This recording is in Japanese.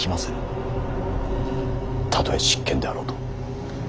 たとえ執権であろうと。